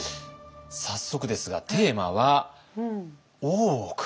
早速ですがテーマは「大奥」。